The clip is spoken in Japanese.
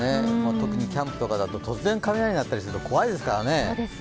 特にキャンプとかだと、突然雷が鳴ったりすると怖いですからね。